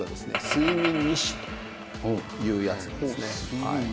睡眠日誌というやつなんですね。